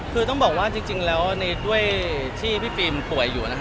คือต้องบอกว่าจริงแล้วด้วยที่พี่ฟิล์มป่วยอยู่นะคะ